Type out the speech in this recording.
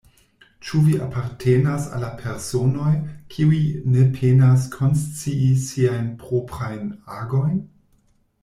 Ĉu vi apartenas al la personoj, kiuj ne penas konscii siajn proprajn agojn?